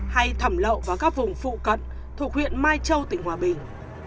hay thẩm lậu vào các vùng phụ cận thuộc huyện mai châu tỉnh hòa bình